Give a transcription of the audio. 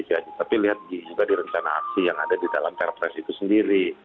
tapi lihat juga di rencana aksi yang ada di dalam perpres itu sendiri